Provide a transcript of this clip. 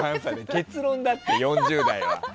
結論だって、４０代は。